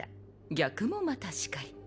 逆もまたしかり。